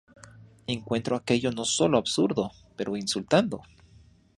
Encuentro aquello no sólo absurdo, pero insultando.".